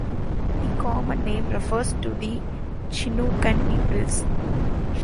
The common name refers to the Chinookan peoples.